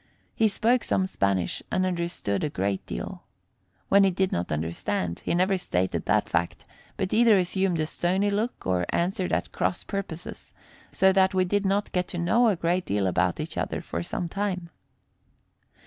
He spoke some Spanish and understood a good deal. When he did not understand, he never stated that fact, but either assumed a stony look or answered at cross purposes; so that we did not get to know a great deal about each other for some time.